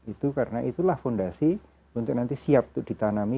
itu karena itulah fondasi untuk nanti siap ditanamkan